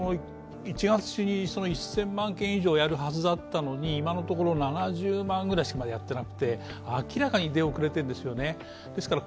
１月に１０００万件以上やるはずだったのに今のところ７０万ぐらいしかまだやっていなくて明らかに出遅れているんですよね。